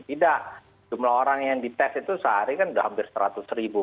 tidak jumlah orang yang dites itu sehari kan sudah hampir seratus ribu